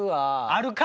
あるか！